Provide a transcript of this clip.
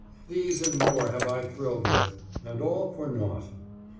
These and more have I thrilled with, and all for naught.